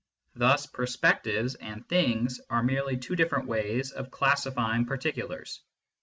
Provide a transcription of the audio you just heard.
Thus " perspectives " and " things " are merely two different ways of classifying particulars.